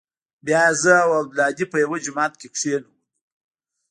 بيا يې زه او عبدالهادي په يوه جماعت کښې کښېنولو.